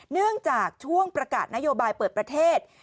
เนื่องจากช่วงประกาศนโยบายเปิดประเทศ